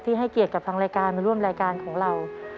ให้เกียรติกับทางรายการมาร่วมรายการของเรา